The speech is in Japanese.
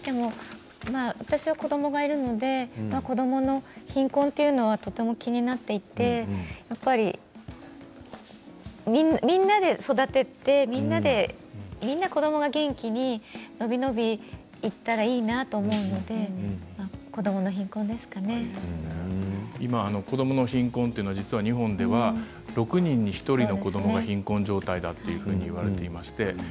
私は子どもがいるので子どもの貧困ということはとても気になっていてやっぱりみんなで育てて子どもが元気に伸び伸びといけたらいいなと思っているので子どもの貧困、日本では６人に１人の子どもが貧困状態というふうに言われています。